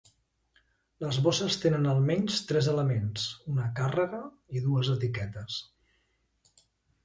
Les bosses tenen almenys tres elements: una càrrega i dues etiquetes.